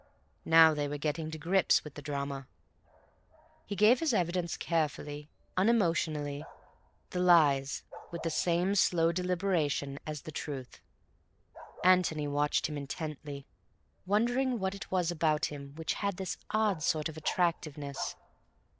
Now they were getting to grips with the drama. He gave his evidence carefully, unemotionally—the lies with the same slow deliberation as the truth. Antony watched him intently, wondering what it was about him which had this odd sort of attractiveness.